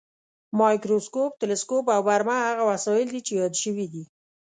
مایکروسکوپ، تلسکوپ او برمه هغه وسایل دي چې یاد شوي دي.